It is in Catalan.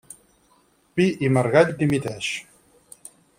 Pi i Margall dimiteix.